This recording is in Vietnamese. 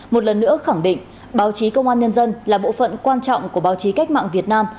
một lần nữa khẳng định báo chí công an nhân dân là bộ phận quan trọng của báo chí cách mạng việt nam